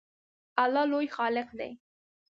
الله لوی خالق دی